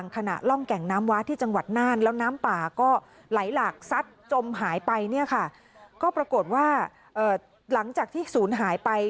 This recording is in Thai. ก็ปรากฏว่าหลังจากที่ศูนย์หายไป